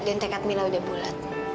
dan tekad mila udah bulat